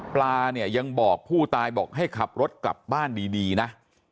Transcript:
เนี่ยยังบอกผู้ตายบอกให้ขับรถกลับบ้านดีนะ